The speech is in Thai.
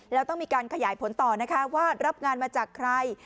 แล้วต้องมีการขยายผลต่อนะคะว่ารับงานมาจากใคร